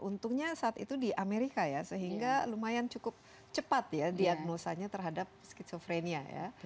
untungnya saat itu di amerika ya sehingga lumayan cukup cepat ya diagnosanya terhadap skizofrenia ya